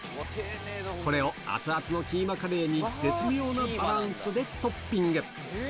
これを熱々のキーマカレーに絶妙なバランスでトッピング。